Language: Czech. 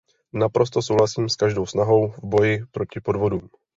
Naprosto souhlasím s každou snahou v boji proti podvodům.